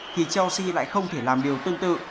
thì chelsea lại không thể làm điều tương tự